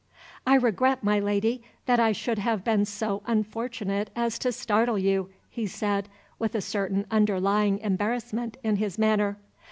"I regret, my Lady, that I should have been so unfortunate as to startle you," he said, with a certain underlying embarrassment in his manner.